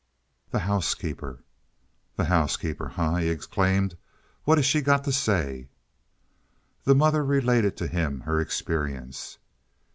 "The housekeeper." "The housekeeper, eh!" he exclaimed. "What has she got to say?" The mother related to him her experience.